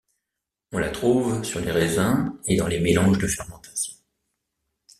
On la trouve sur les raisins et dans les mélanges de fermentation.